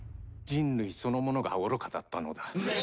人類そのものが愚かだったのだ。